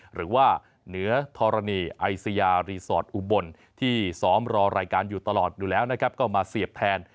หรือว่าเหนือธรณีไอซียารีสอร์ทอุบลที่ซ้อมรอรายการอยู่ตลอดอยู่แล้วนะครับก็มาเสียบแทน